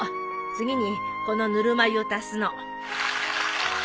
次にこのぬるま湯を足すの。